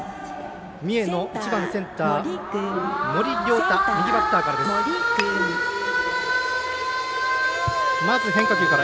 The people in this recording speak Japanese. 三重の１番センター森涼太、右バッターから。